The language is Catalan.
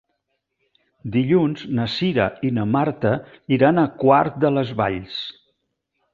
Dilluns na Cira i na Marta iran a Quart de les Valls.